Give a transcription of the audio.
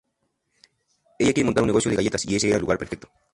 Ella quiere montar un negocio de galletas y ese era el lugar perfecto.